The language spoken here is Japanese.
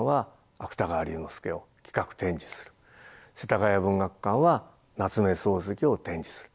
世田谷文学館は夏目漱石を展示する。